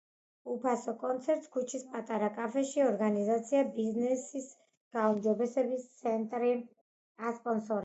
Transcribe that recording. უფასო კონცერტს ქუჩის პატარა კაფეში ორგანიზაცია -„ბიზნესის გაუმჯობესების ცენტრი“- ასპონსორებდა.